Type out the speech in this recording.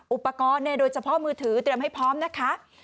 อุปกรณ์โดยเฉพาะมือถือเตรียมให้พร้อมนะคะ